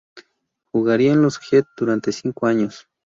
Jugaría en los Heat durante cinco años.